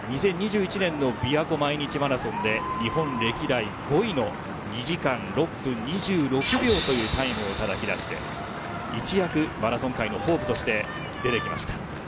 びわ湖毎日マラソンで日本歴代５位の２時間６分２６秒というタイムをたたき出して一躍、マラソン界のホープとして出てきました。